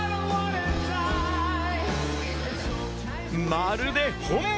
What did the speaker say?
まるで本物！